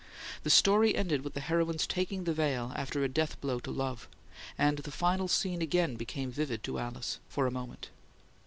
The story ended with the heroine's taking the veil after a death blow to love; and the final scene again became vivid to Alice, for a moment.